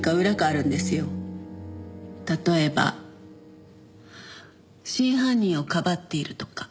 例えば真犯人をかばっているとか。